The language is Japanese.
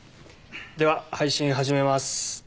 では配信始めます。